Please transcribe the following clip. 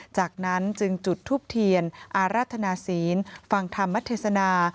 จากนั้นจึงจุดทูปเทียนอารัฐนาศีลฟังธรรมเทศนา